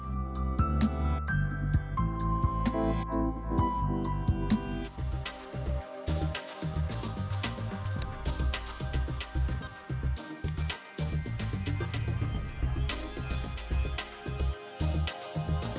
dari kementerian pariwisata dan ekonomi kreatif